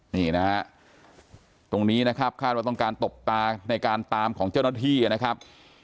นี่นะฮะตรงนี้นะครับคาดว่าต้องการตบตาในการตามของเจ้าหน้าที่นะครับ